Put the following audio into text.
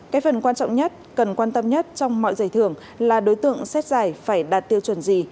cái phần quan trọng nhất cần quan tâm nhất trong mọi giải thưởng là đối tượng xét giải phải đạt tiêu chuẩn gì